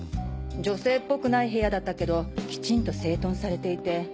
女性っぽくない部屋だったけどきちんと整頓されていて。